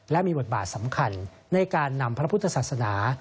และมีบทบาทสำคัญในการนำพระพุทธศาสนา